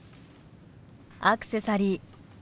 アクセサリー